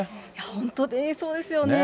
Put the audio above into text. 本当にそうですよね。